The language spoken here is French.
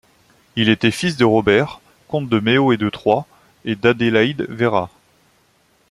Il était fils de Robert, comte de Meaux et de Troyes, et d'Adélaïde Werra.